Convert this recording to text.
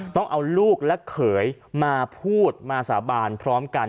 ต้องเอาลูกและเขยมาพูดมาสาบานพร้อมกัน